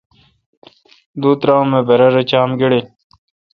دو ترا ام اے°برر چام گڑیل۔